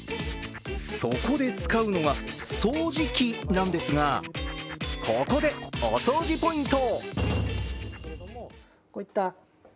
そこで使うのが掃除機なんですが、ここで、お掃除ポイント。